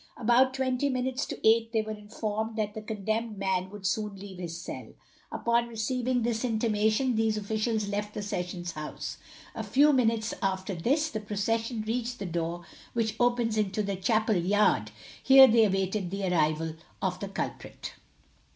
About twenty minutes to eight they were informed that the condemned man would soon leave his cell. Upon receiving this intimation these officials left the Sessions House. A few minutes after this, the procession reached the door which opens into the chapel yard. Here they awaited the arrival of the culprit.